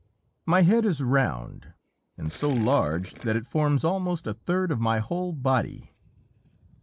My head is round, and so large that it forms almost a third of my whole body.